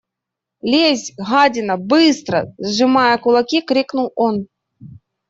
– Лезь, гадина, быстро! – сжимая кулаки, крикнул он.